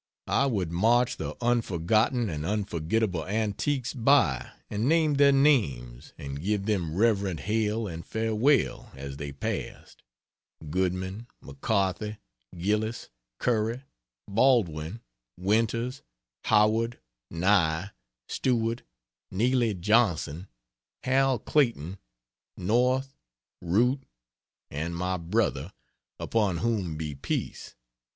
I would march the unforgotten and unforgettable antiques by, and name their names, and give them reverent Hailand farewell as they passed: Goodman, McCarthy, Gillis, Curry, Baldwin, Winters, Howard, Nye, Stewart; Neely Johnson, Hal Clayton, North, Root, and my brother, upon whom be peace!